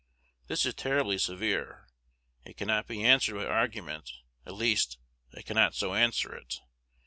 This is terribly severe. It cannot be answered by argument; at least, I cannot so answer it.